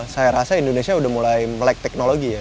saya rasa indonesia udah mulai melek teknologi ya